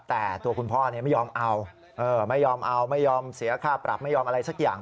แต่ตัวคุณพ่อไม่ยอมเอาไม่ยอมเอาไม่ยอมเสียค่าปรับไม่ยอมอะไรสักอย่าง